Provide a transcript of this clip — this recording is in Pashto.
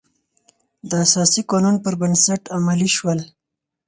د اساسي قانون پر بنسټ عملي شول.